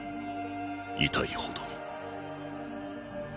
痛いほどに